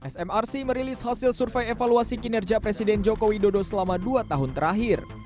smrc merilis hasil survei evaluasi kinerja presiden joko widodo selama dua tahun terakhir